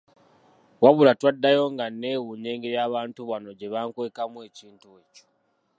Wabula twaddayo nga neewuunya engeri abantu bano gye bankwekamu ekintu ekyo.